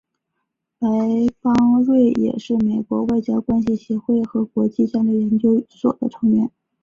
白邦瑞也是美国外交关系协会和国际战略研究所的成员。